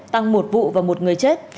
tăng một vụ và một người chết